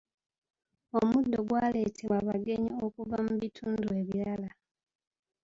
Omuddo gwaleetebwa bagenyi okuva mu bitundu ebirala.